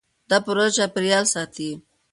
دا پروژه چاپېریال ساتي.